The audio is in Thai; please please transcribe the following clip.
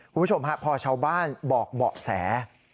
คุณผู้ชมฮะพอชาวบ้านบอกเบาะแส